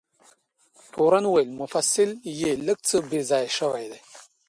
تورن وویل: مفصل یې لږ څه بې ځایه شوی دی.